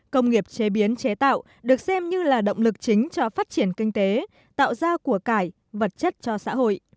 công nghiệp chế biến chế tạo được xem như là động lực chính cho phát triển kinh tế tạo ra của cải vật chất cho xã hội